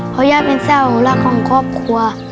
เพราะย่าเป็นเศร้ารักของครอบครัว